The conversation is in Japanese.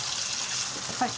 はい。